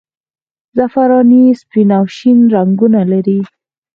زعفراني سپین او شین رنګونه لري.